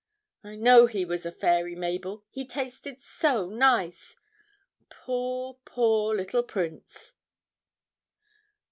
I know he was a fairy, Mabel, he tasted so nice.... Poor, poor little prince!'